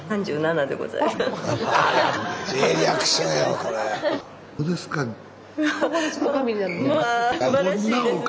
まあすばらしいですね。